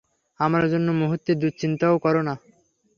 আমার জন্য মুহূর্তের দুশ্চিন্তাও কর না।